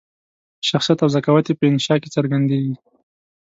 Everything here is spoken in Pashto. شخصیت او ذکاوت یې په انشأ کې څرګندیږي.